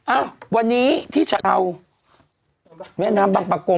อ้าววันนี้ที่ชาวแม่น้ำปังปักกง